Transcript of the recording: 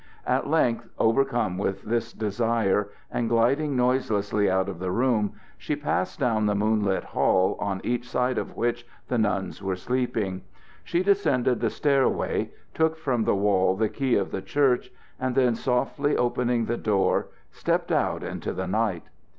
At length, overcome with this desire and gliding noiselessly out of the room, she passed down the moonlit hall, on each side of which the nuns were sleeping. She descended the stair way, took from the wall the key of the church, and then softly opening the door, stepped out into the night.